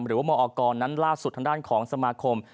หรือว่ามอกรนั้นล่าสุดทางด้านของสมาคม